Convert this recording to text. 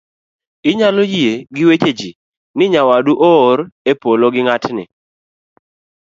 inyalo yie gi weche ji ni nyawadu oor e polo gi ng'atni